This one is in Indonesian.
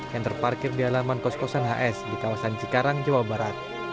yang terparkir di halaman kos kosan hs di kawasan cikarang jawa barat